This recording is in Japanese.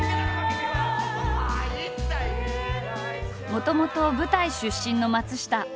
もともと舞台出身の松下。